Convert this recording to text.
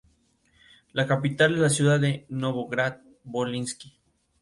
La capital es la ciudad de Novograd-Volynsky.